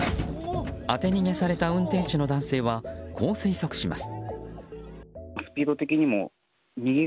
当て逃げされた運転手の男性はこう推測します。